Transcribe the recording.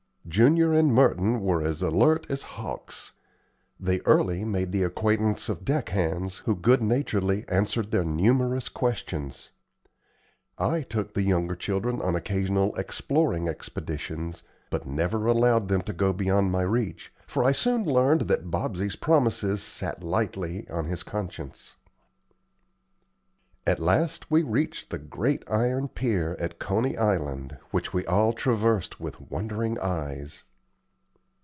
Junior and Merton were as alert as hawks. They early made the acquaintance of deck hands who good naturedly answered their numerous questions. I took the younger children on occasional exploring expeditions, but never allowed them to go beyond my reach, for I soon learned that Bobsey's promises sat lightly on his conscience. At last we reached the great Iron Pier at Coney Island, which we all traversed with wondering eyes.